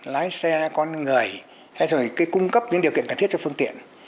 lái xe con người hay rồi cung cấp những điều kiện cần thiết cho phương tiện